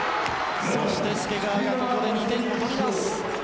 そして介川がここで２点を取ります。